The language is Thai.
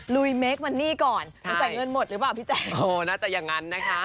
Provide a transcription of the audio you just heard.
ลุยเมคมันนี่ก่อนจะจ่ายเงินหมดหรือเปล่าพี่แจ๊คโอ้น่าจะอย่างนั้นนะคะ